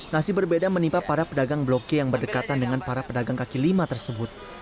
nasib berbeda menimpa para pedagang blok g yang berdekatan dengan para pedagang kaki lima tersebut